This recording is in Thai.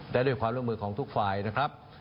และด้วยความร่วมมือของทุกฝ่ายนะครับ